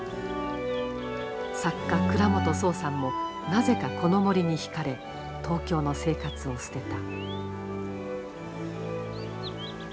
作家倉本聰さんもなぜかこの森に引かれ東京の生活を捨てた。